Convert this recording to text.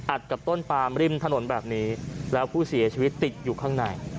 กับต้นปามริมถนนแบบนี้แล้วผู้เสียชีวิตติดอยู่ข้างใน